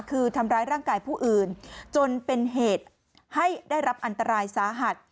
คือทำร้ายร่างกายผู้อื่นจนเป็นเหตุให้ได้รับอันตรายสาหัส